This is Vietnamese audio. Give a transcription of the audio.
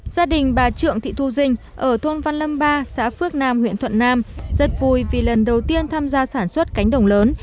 gia đình bà trượng thị thu dinh ở thôn văn lâm ba xã phước nam huyện thuận nam rất vui vì lần đầu tiên tham gia sản xuất cánh đồng lớn